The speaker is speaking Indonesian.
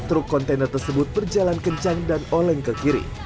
truk kontainer tersebut berjalan kencang dan oleng ke kiri